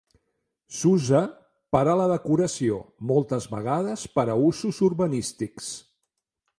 S'usa per a la decoració, moltes vegades per a usos urbanístics.